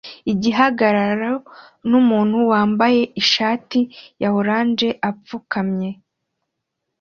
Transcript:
igihagararo numuntu wambaye ishati ya orange apfukamye